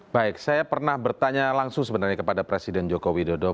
baik saya pernah bertanya langsung sebenarnya kepada presiden joko widodo